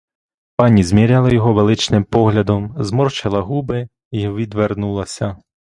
Пані зміряла його величним поглядом, зморщила губи й відвернулася.